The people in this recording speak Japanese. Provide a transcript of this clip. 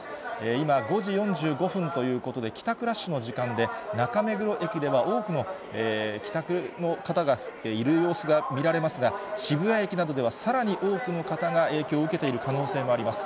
今、５時４５分ということで、帰宅ラッシュの時間で、中目黒駅では多くの帰宅の方がいる様子が見られますが、渋谷駅などでは、さらに多くの方が影響を受けている可能性もあります。